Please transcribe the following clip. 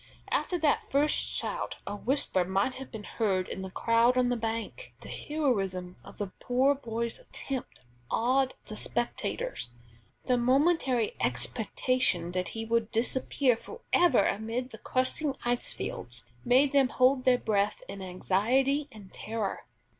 After that first shout a whisper might have been heard in the crowd on the bank. The heroism of the poor boy's attempt awed the spectators, and the momentary expectation that he would disappear forever amid the crushing ice fields, made them hold their breath in anxiety and terror.